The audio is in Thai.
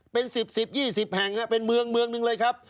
เป็นสิบสิบยี่สิบแห่งเป็นเมืองหนึ่งเลยครับ